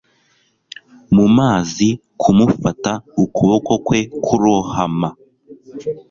mu mazi, kumufata, ukuboko kwe kurohama